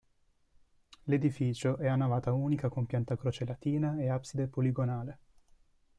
L'edificio è a navata unica con pianta a croce latina e abside poligonale.